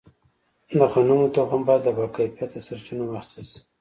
د غنمو تخم باید له باکیفیته سرچینو واخیستل شي.